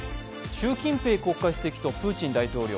習近平国家主席とプーチン大統領。